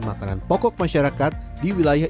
makanan pokok masyarakat di wilayah